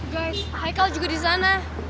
guys haikal juga di sana